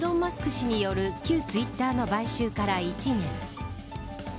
氏による旧ツイッターの買収から１年。